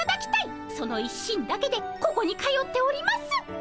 その一心だけでここに通っております。